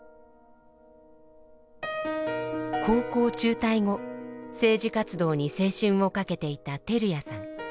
高校中退後政治活動に青春をかけていた照屋さん。